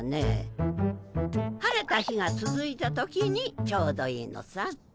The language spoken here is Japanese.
晴れた日がつづいた時にちょうどいいのさ。